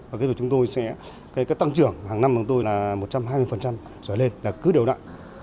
và kế bởi chúng tôi sẽ tăng trưởng hàng năm là một trăm hai mươi trở lên là cứ điều đoạn